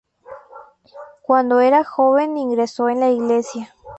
Cuando era joven ingresó en la Iglesia.